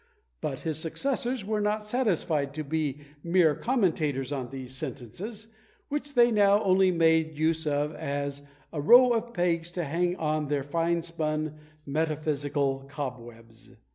But his successors were not satisfied to be mere commentators on these "sentences," which they now only made use of as a row of pegs to hang on their fine spun metaphysical cobwebs.